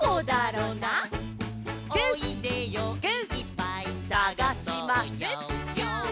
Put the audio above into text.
「おいでよいっぱいさがそうよ」